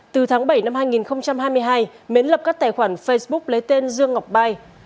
từ tháng bảy năm hai nghìn hai mươi hai mến lập các tài khoản facebook lấy tên dương ngọc mai